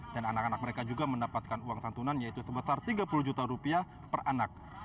dan anak anak mereka juga mendapatkan uang santunan yaitu sebesar tiga puluh juta rupiah per anak